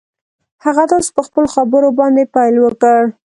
هغه داسې په خپلو خبرو باندې پيل وکړ.